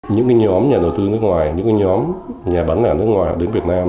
những nhóm nhà đầu tư nước ngoài những nhóm nhà bán lẻ nước ngoài đến việt nam